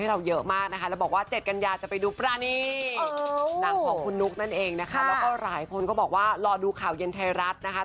แล้วก็หลายคนก็บอกว่ารอดูข่าวเย็นไทยรัฐนะคะ